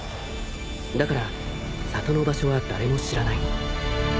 ［だから里の場所は誰も知らない］